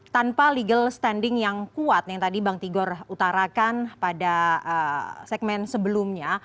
tanpa legal standing yang kuat yang tadi bang tigor utarakan pada segmen sebelumnya